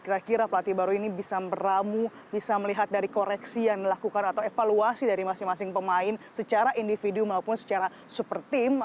kira kira pelatih baru ini bisa meramu bisa melihat dari koreksi yang dilakukan atau evaluasi dari masing masing pemain secara individu maupun secara super team